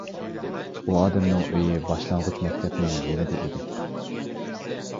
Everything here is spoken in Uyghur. ئۇ ئادەمنىڭ ئۆيى باشلانغۇچ مەكتەپنىڭ يېنىدا ئىدى.